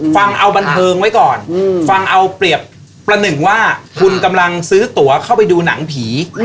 ฟังเอาบันเทิงไว้ก่อนฟังเอาเปรียบประหนึ่งว่าคุณกำลังซื้อตัวเข้าไปดูหนังผี